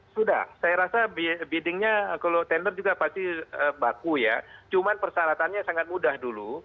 sudah saya rasa biddingnya kalau tender juga pasti baku ya cuman persyaratannya sangat mudah dulu